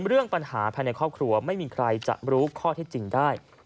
เรื่องปัญหาภายในครอบครัวไม่มีใครจะรู้ข้อเท็จจริงได้